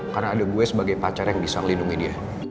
karena ada gue sebagai pacar yang bisa ngelindungi dia